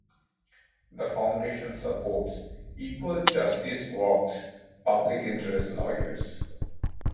The Foundation supports Equal Justice Works public interest lawyers.